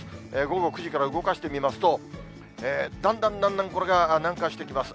午後９時から動かしてみますと、だんだんだんだんこれが南下してきます。